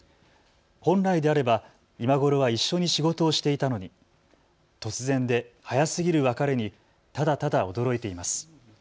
本来であれば今頃は一緒に仕事をしていたのに突然で早すぎる別れにただただ驚いています。